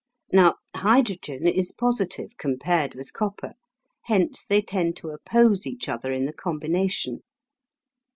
Now, hydrogen is positive compared with copper, hence they tend to oppose each other in the combination.